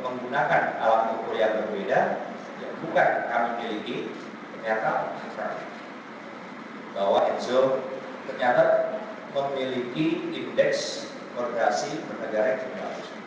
penilaian yang dilakukan tidak ditemukan adanya keraguan kepada enzo dan seluruh taruna lain yang diterima beberapa waktu lalu